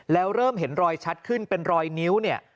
แล้วเริ่มเห็นรอยชัดขึ้นเป็นรอยนิ้วเนี่ย